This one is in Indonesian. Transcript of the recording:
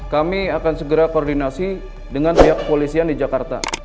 kami akan segera koordinasi dengan pihak kepolisian di jakarta